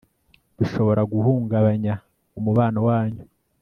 bishobora guhungabanya umubano wanyu